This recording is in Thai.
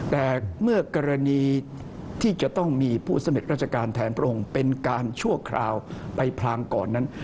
แต่เมื่อกรณีที่จะต้องมีผู้สำเร็จราชการแทนพระองค์เป็นการชั่วคราวไปพลางก่อนนั้น